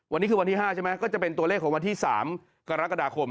วันนี้คือวันที่๕ใช่ไหมก็จะเป็นตัวเลขของวันที่๓กรกฎาคม